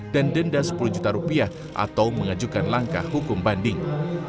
dan denda sepuluh juta rupiah atau mengajukan langkah hukum banding